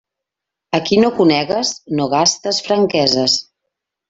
A qui no conegues, no gastes franqueses.